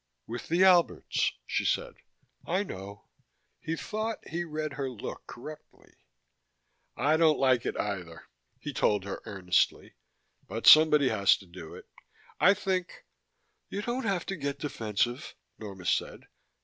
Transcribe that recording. "With the Alberts," she said. "I know." He thought he read her look correctly. "I don't like it either," he told her earnestly. "But somebody has to do it. I think " "You don't have to get defensive," Norma said.